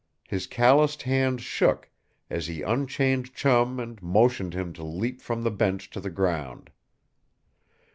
His calloused hands shook as he unchained Chum and motioned him to leap from the bench to the ground.